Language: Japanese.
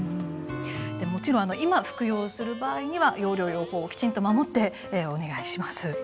もちろん今服用する場合には用量・用法をきちんと守ってお願いします。